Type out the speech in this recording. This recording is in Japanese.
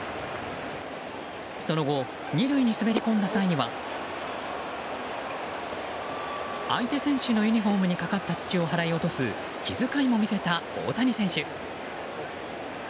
その後、２塁に滑り込んだ際には相手選手のユニホームにかかった土を払い落とす気遣いも見せた大谷選手。